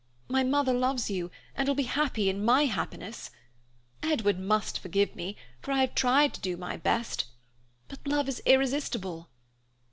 My mother loves you, and will be happy in my happiness. Edward must forgive me, for I have tried to do my best, but love is irresistible.